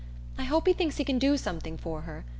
I hope he thinks he can do something for her.